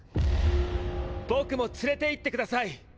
僕も連れていってください！